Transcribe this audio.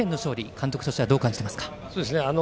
監督としてはどう感じてますか。